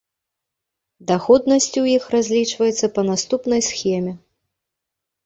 Даходнасць у іх разлічваецца па наступнай схеме.